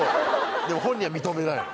でも本人は認めないの。